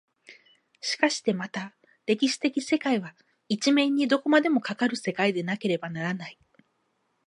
しかしてまた歴史的世界は一面にどこまでもかかる世界でなければならない。